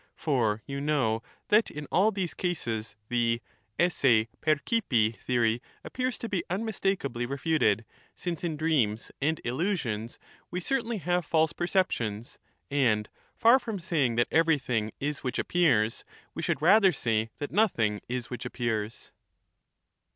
For you know that in all these cases the esse percipi theory appears to be unmistakably refuted, since 158 in dreams and illusions we certainly have false perceptions ; and far from saying that everything is which appears, we should rather say that nothing is which appears.